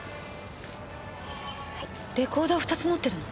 レコーダー２つ持ってるの？